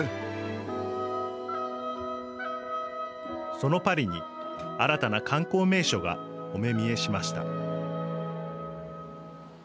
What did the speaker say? そのパリに新たな観光名所がお目見えしました。